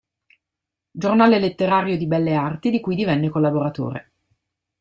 Giornale letterario e di belle arti", di cui divenne collaboratore.